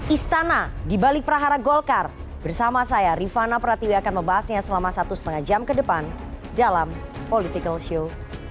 istana dibalik prahara golkar bersama saya rifana pratiwi akan membahasnya selama satu lima jam kedepan dalam political show